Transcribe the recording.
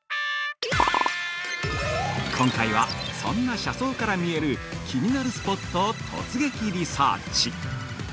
今回は、そんな車窓から見える気になるスポットを突撃リサーチ。